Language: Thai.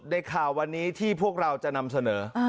ในข่าววันนี้ที่พวกเราจะนำเสนอ